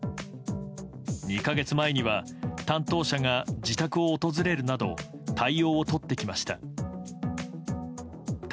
２か月前には担当者が自宅を訪れるなど対応をとってきました。